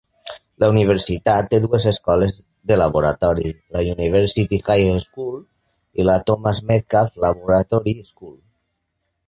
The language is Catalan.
La universitat té dues escoles de laboratori: la University High School i la Thomas Metcalf Laboratory School.